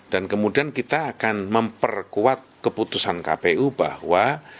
dan kemudian kita akan memperkuat keputusan kpu bahwa